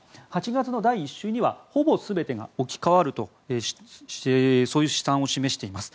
８月の第１週にはほぼ全てが置き換わるとそういう試算を示しています。